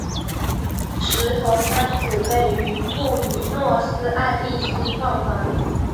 石头三姊妹于布宜诺斯艾利斯创团。